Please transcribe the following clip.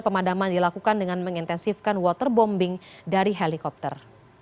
pemadaman dilakukan dengan mengintensifkan waterbombing dari helikopter